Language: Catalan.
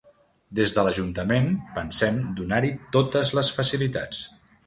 Des de l'ajuntament pensem donar-hi totes les facilitats.